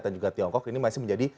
dan juga tiongkok ini masih menjadi